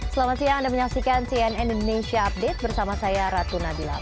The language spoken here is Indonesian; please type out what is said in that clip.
selamat siang anda menyaksikan cnn indonesia update bersama saya ratu nabila